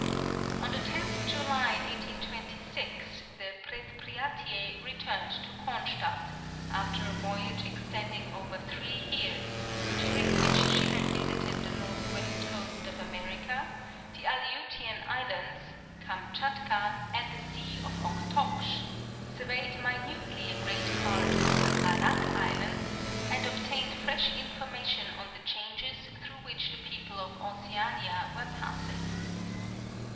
On the 10th July, 1826, the Predpriatie returned to Cronstadt, after a voyage extending over three years, during which she had visited the north west coast of America, the Aleutian Islands, Kamtchatka, and the Sea of Oktoksh; surveyed minutely a great part of the Radak Islands, and obtained fresh information on the changes through which the people of Oceania were passing.